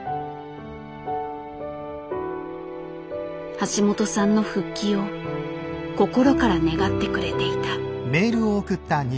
橋本さんの復帰を心から願ってくれていた。